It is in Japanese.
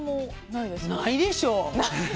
ないでしょ。